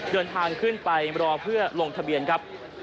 เดินทางขึ้นไปรอเพื่อลงทะเบียนครับ